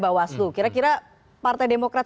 bawaslu kira kira partai demokrat